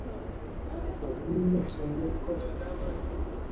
Makiminei sundet goi.